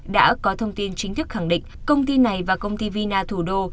đã có thông tin chính thức khẳng định công ty này và công ty vina thủ đô